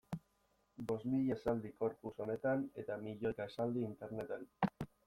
Bost mila esaldi corpus honetan eta milioika esaldi interneten.